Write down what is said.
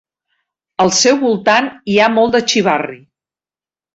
Al seu voltant hi ha molt de xivarri.